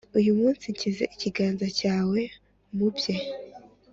uyu munsi, nshyize ikiganza cyawe mu bye